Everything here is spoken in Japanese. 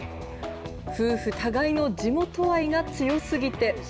夫婦互いの地元愛が強すぎて。